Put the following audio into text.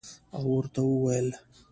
او ورته ووېل